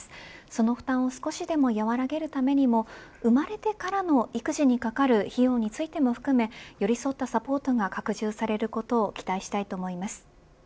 その負担を少しでも和らげるためにも生まれてからの育児にかかる費用についても含め寄り添ったサポートが拡充されることを期待したいと思います。